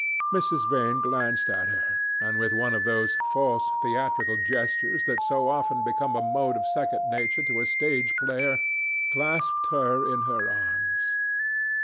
Mrs. Vane glanced at her, and with one of those false theatrical gestures that so often become a mode of second nature to a stage player, clasped her in her arms.